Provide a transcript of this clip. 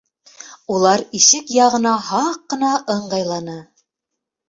Улар ишек яғына һаҡ ҡына ыңғайланы.